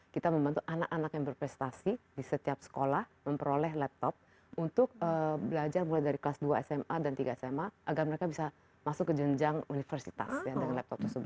kita membantu anak anak yang berprestasi di setiap sekolah memperoleh laptop untuk belajar mulai dari kelas dua sma dan tiga sma agar mereka bisa masuk ke jenjang universitas dengan laptop tersebut